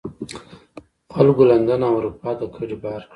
خلکو لندن او اروپا ته کډې بار کړې.